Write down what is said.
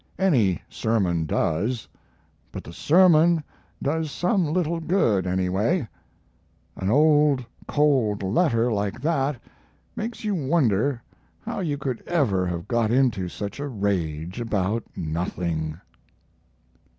Any sermon does; but the sermon does some little good, anyway. An old cold letter like that makes you wonder how you could ever have got into such a rage about nothing.